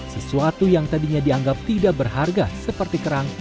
sesuatu yang tadinya dianggap tidak berharga seperti kerang